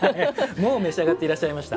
もう召し上がっていらっしゃいました。